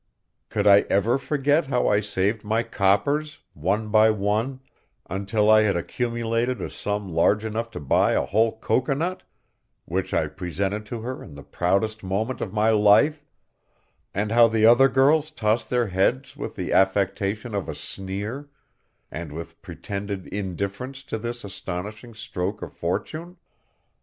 Could I ever forget how I saved my coppers, one by one, until I had accumulated a sum large enough to buy a whole cocoanut, which I presented to her in the proudest moment of my life, and how the other girls tossed their heads with the affectation of a sneer, and with pretended indifference to this astonishing stroke of fortune?